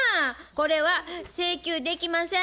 これは請求できません。